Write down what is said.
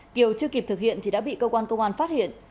kiều chưa kịp thực hiện thì đã bị cơ quan công an phát hiện